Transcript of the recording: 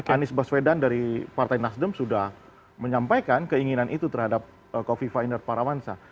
anies baswedan dari partai nasdem sudah menyampaikan keinginan itu terhadap kofifa indar parawansa